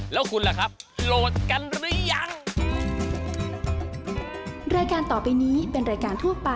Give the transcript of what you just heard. แล้วคุณล่ะครับโหลดกันหรือยัง